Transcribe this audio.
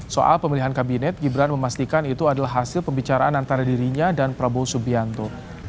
soal pemilihan kabinet gibran memastikan itu adalah hasil pembicaraan antara dirinya dan prabowo subianto